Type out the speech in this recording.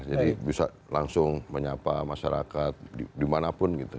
jadi bisa langsung menyapa masyarakat dimanapun